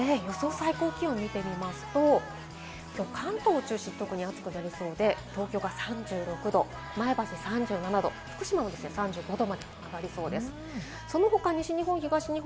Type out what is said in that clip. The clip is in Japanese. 最高気温を見てみますと、関東を中心に暑くなりそうで、東京は３６度、前橋は３７度、福島も３５度まで上がりそうです。